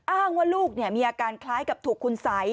อ้างว่าลูกมีอาการคล้ายกับถูกคุณสัย